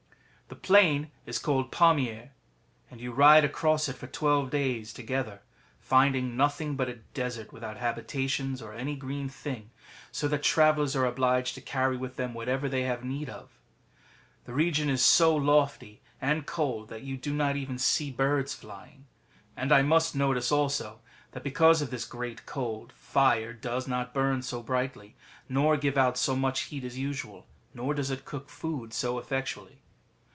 ] The plain is called Pamier, and you ride across it for twelve days together, finding nothing but a desert without habitations or any green thing, so that travellers are obliged to carry with them whatever they have need of. The region is so lofty and cold that you do not even see any birds fiying. And I must notice also that because of this great cold, fire does not burn so brightly, nor give out so much heat as usual, nor does it cook food so effectually.